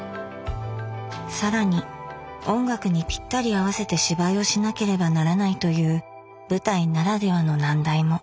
更に音楽にピッタリ合わせて芝居をしなければならないという舞台ならではの難題も。